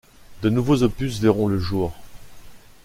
De nouveaux opus verront le jour.